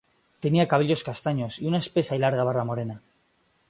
Tenía cabellos castaños, y una espesa y larga barba morena.